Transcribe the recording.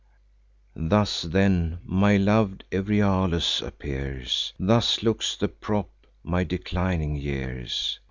"Thus, then, my lov'd Euryalus appears! Thus looks the prop of my declining years!